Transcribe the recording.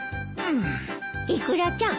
イクラちゃん